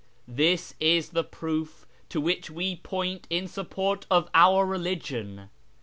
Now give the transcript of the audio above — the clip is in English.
This is the proof to which we point in support of our religion.